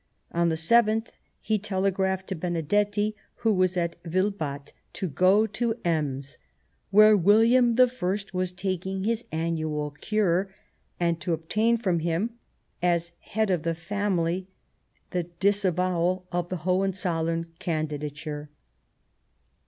On the 7th he telegraphed to Benedetti, who was at Wildbad, to go to Ems, where William I was taking his annual cure, and to obtain from him, as Head of the Family, the disavowal of the Hohenzollem candidature.